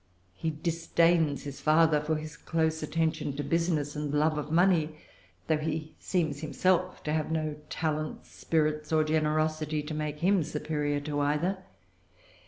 He disdains his father for his close attention to business and love of money, though he seems himself to have no talents, spirit, or generosity to make him superior to either.